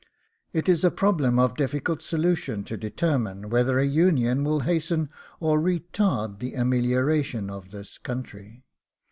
It is a problem of difficult solution to determine whether a union will hasten or retard the amelioration of this country.